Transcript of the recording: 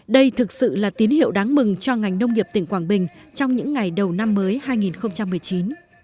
đây thực sự là tín hiệu đáng mừng cho ngành nông nghiệp tỉnh quảng bình trong những ngày đầu năm mới hai nghìn một mươi chín